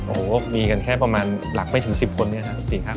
โอ้โหมีกันแค่ประมาณหลักไม่ถึง๑๐คนเนี่ยครับ